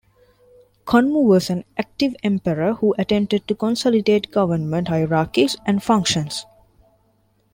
Kanmu was an active emperor who attempted to consolidate government hierarchies and functions.